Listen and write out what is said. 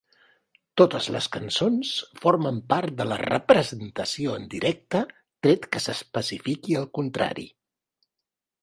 Totes les cançons formen part de la representació en directe tret que s'especifiqui el contrari.